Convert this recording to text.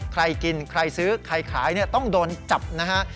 ใครกินใครซื้อใครขายต้องโดนจับนะฮะ